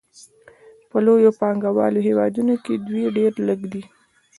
په لویو پانګوالو هېوادونو کې دوی ډېر لږ دي